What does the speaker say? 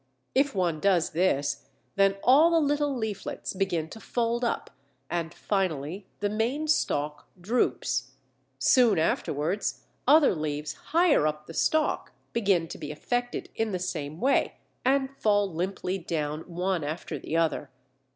If one does this then all the little leaflets begin to fold up, and finally the main stalk droops; soon afterwards other leaves higher up the stalk begin to be affected in the same way, and fall limply down one after the other.